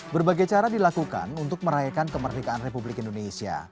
berbagai cara dilakukan untuk merayakan kemerdekaan republik indonesia